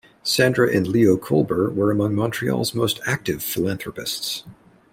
Sandra and Leo Kolber were among Montreal's most active philanthropists.